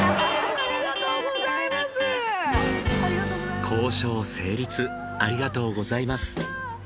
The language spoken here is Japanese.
ありがとうございます。